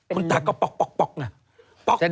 คุณตาก็ป๊อกไง